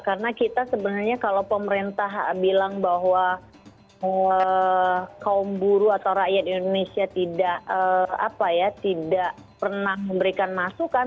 karena kita sebenarnya kalau pemerintah bilang bahwa kaum buruh atau rakyat indonesia tidak pernah memberikan masukan